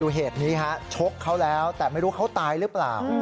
เหตุนี้ฮะชกเขาแล้วแต่ไม่รู้เขาตายหรือเปล่า